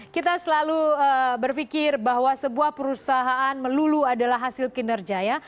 kita selalu berpikir bahwa sebuah perusahaan melulu adalah hasil kinerja ya